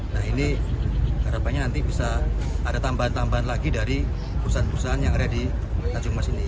nah ini harapannya nanti bisa ada tambahan tambahan lagi dari perusahaan perusahaan yang ada di tanjung mas ini